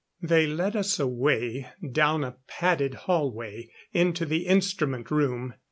They led us away, down a padded hallway into the instrument room.